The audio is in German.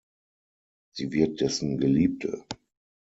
Sie wird dessen Geliebte.